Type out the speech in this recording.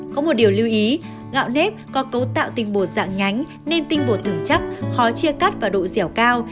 có một điều lưu ý gạo nếp có cấu tạo tinh bột dạng nhánh nên tinh bột thường chắc khó chia cắt và độ dẻo cao